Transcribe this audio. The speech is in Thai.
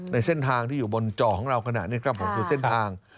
ในเส้นทางที่อยู่บนจอของเราขณะนี้ครับผมคือเส้นทาง